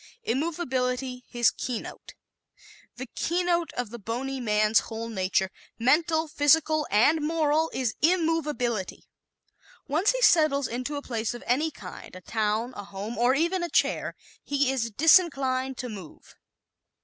Immovability His Keynote ¶ The keynote of the bony man's whole nature mental, physical and moral is immovability. Once he settles into a place of any kind a town, a home, or even a chair he is disinclined to move.